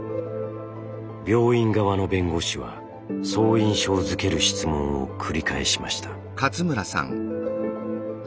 病院側の弁護士はそう印象づける質問を繰り返しました。